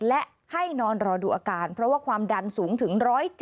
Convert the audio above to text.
และให้นอนรอดูอาการเพราะว่าความดันสูงถึง๑๗